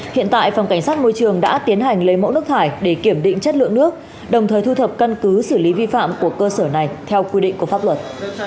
hiện tại phòng cảnh sát môi trường đã tiến hành lấy mẫu nước thải để kiểm định chất lượng nước đồng thời thu thập căn cứ xử lý vi phạm của cơ sở này theo quy định của pháp luật